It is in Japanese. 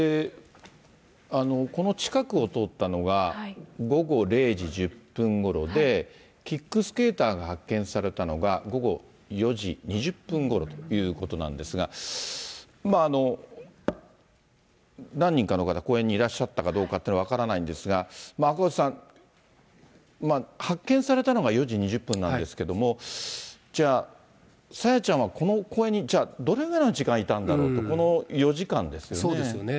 この近くを通ったのが、午後０時１０分ごろで、キックスケーターが発見されたのが午後４時２０分ごろということなんですが、まあ、何人かの方、公園にいらっしゃったかどうかというのは分からないんですが、赤星さん、発見されたのが４時２０分なんですけども、じゃあ、朝芽ちゃんは、この公園にじゃあ、どれぐらいの時間いたんだろうと、この４時間ですよね。